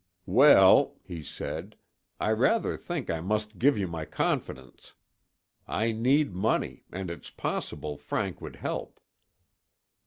"Well," he said, "I rather think I must give you my confidence. I need money and it's possible Frank would help."